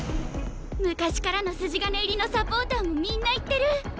昔からの筋金入りのサポーターもみんな言ってる。